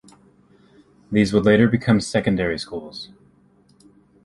These would later become secondary schools.